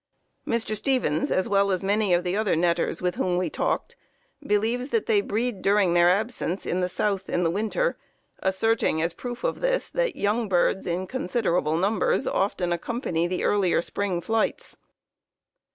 Mr. Stevens, as well as many of the other netters with whom we talked, believes that they breed during their absence in the South in the winter, asserting as proof of this that young birds in considerable numbers often accompany the earlier spring flights.